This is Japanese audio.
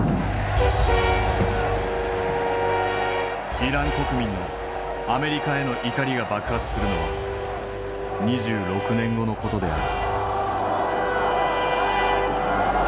イラン国民のアメリカへの怒りが爆発するのは２６年後の事である。